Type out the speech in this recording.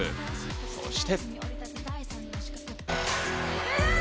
そして。